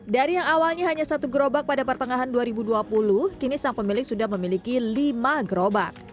dari yang awalnya hanya satu gerobak pada pertengahan dua ribu dua puluh kini sang pemilik sudah memiliki lima gerobak